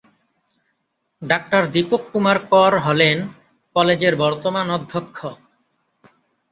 Doctor Dipak Kumar Kar হলেন কলেজের বর্তমান অধ্যক্ষ।